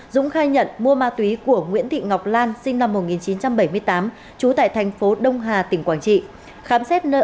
dũng khai nhận mua ma túy của nguyễn thị ngọc lan sinh năm một nghìn chín trăm bảy mươi tám trú tại thành phố đông hà tỉnh quảng trị